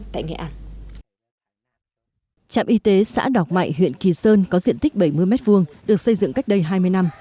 trạm y tế xã đọc mại huyện kỳ sơn có diện tích bảy mươi m hai được xây dựng cách đây hai mươi năm